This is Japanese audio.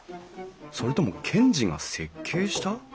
それとも賢治が設計した？